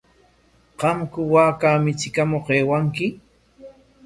¿Qamku waaka michikamuq aywanki?